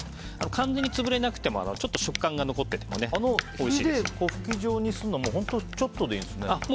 完全に潰れなくても食感が残っていても火で粉ふき状にするのはちょっとでいいですよ。